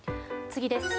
次です。